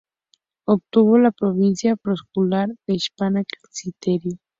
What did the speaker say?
Obtuvo la provincia proconsular de Hispania Citerior.